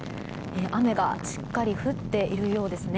雨がしっかり降っているようですね。